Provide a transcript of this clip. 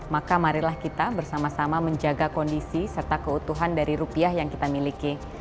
maka marilah kita bersama sama menjaga kondisi serta keutuhan dari rupiah yang kita miliki